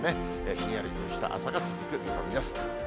ひんやりとした朝が続く見込みです。